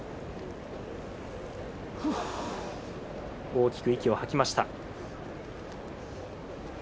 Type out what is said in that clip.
大きく息を吐きました。